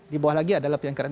di bawah lagi ada lapisan keras